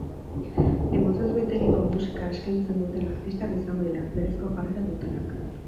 Emozioz beteriko musika eskeintzen duten artistak izango dira, berezko jarrera dutenak.